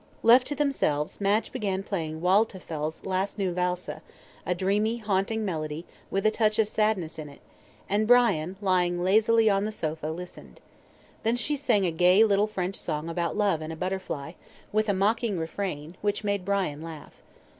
Left to themselves, Madge began playing Waldteufel's last new valse, a dreamy, haunting melody, with a touch of sadness in it, and Brian, lying lazily on the sofa, listened. Then she sang a gay little French song about Love and a Butterfly, with a mocking refrain, which made Brian laugh.